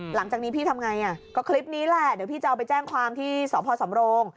หลังจากนี้พี่ทำไงอ่ะก็คลิปนี้แหละเดี๋ยวพี่จะเอาไปแจ้งความที่สพสำโรง